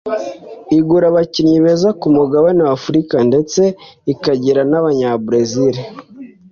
igura abakinnyi beza ku mugabane wa Afurika ndetse ikagira n’Abanya-Brazil